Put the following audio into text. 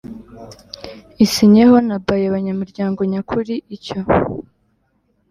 isinyeho na by abanyamuryango nyakuri Icyo